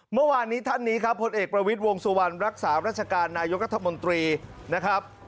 เมื่อวานนี้ท่านนี้ครับผลเอกประวิทย์วงสุวรรณรักษาราชการนายกรัฐมนตรีนะครับ